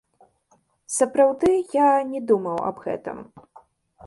Сапраўды, я не думаў аб гэтым.